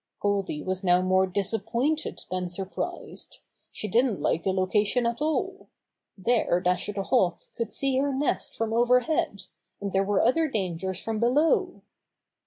Goldy was now more disappointed than sur prised. She didn't like the location at alL There Dasher the Hawk could see her nest from overhead, and there were other dangers from below.